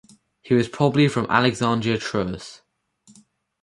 He was probably from Alexandria Troas.